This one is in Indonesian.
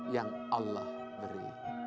yang allah beri